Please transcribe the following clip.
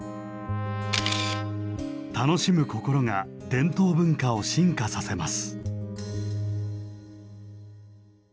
楽しむ心が伝統文化を進化させます。